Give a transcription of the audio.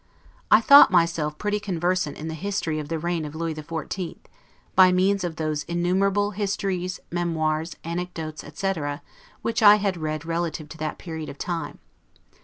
I thought myself pretty conversant in the history of the reign of Lewis XIV., by means of those innumerable histories, memoirs, anecdotes, etc., which I had read relative to that period of time.